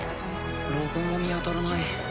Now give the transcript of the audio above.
ロゴも見当たらない。